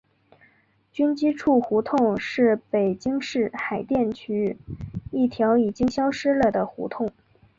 军机处胡同是北京市海淀区一条已经消失了的胡同。